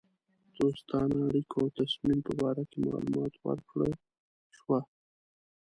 دوستانه اړېکو او تصمیم په باره کې معلومات ورکړه شوه.